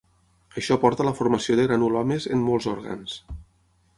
Això porta a la formació de granulomes en molts òrgans.